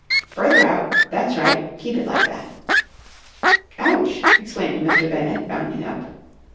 "Further out! That's right. Keep it like that!" "Ouch!" exclaimed Mr. Bennett, bounding up.